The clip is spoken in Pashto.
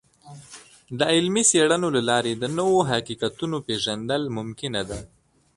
د علمي څیړنو له لارې د نوو حقیقتونو پیژندل ممکنه ده.